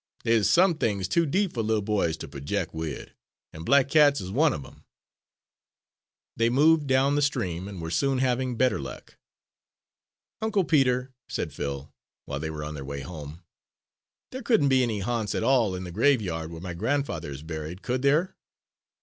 Dey is some things too deep fer little boys ter projec' wid, an' black cats is one of 'em." They moved down the stream and were soon having better luck. "Uncle Peter," said Phil, while they were on their way home, "there couldn't be any ha'nts at all in the graveyard where my grandfather is buried, could there?